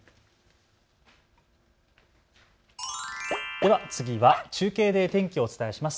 では次は中継で天気をお伝えします。